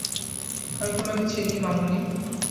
আমি তোমাকে চিনি, মামুনি।